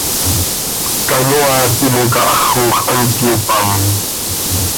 Canoaa timoca haxoj hant cöyopám.